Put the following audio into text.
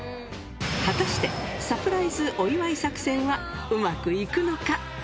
果たして、サプライズお祝い作戦は、うまくいくのか。